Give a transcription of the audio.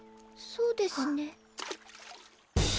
そうですね。